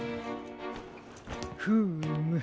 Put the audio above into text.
フーム。